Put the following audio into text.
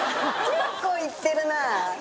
結構いってるな。